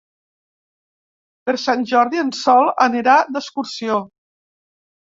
Per Sant Jordi en Sol anirà d'excursió.